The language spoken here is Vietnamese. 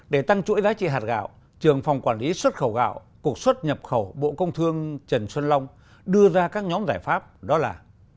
để tăng chuỗi giá trị hạt gạo trường phòng quản lý xuất khẩu gạo cục xuất nhập khẩu bộ công thương trần xuân long đưa ra các nhóm giải pháp đó là